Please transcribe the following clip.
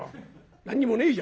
何にもねえじゃねえか。